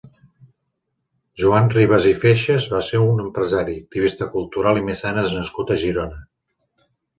Joan Ribas i Feixas va ser un empresari, activista cultural i mecenes nascut a Girona.